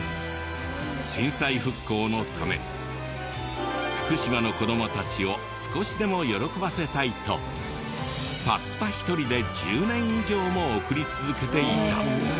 震災復興のため福島の子どもたちを少しでも喜ばせたいとたった一人で１０年以上も送り続けていた。